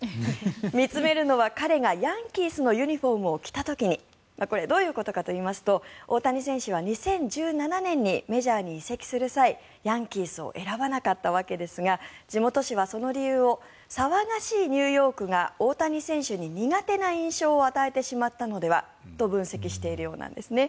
見つめるのは彼がヤンキースのユニホームを着た時にこれどういうことかといいますと大谷選手は２０１７年にメジャーに移籍する際ヤンキースを選ばなかったわけですが地元紙はその理由を騒がしいニューヨークが大谷選手に苦手な印象を与えてしまったのではと分析しているようなんですね。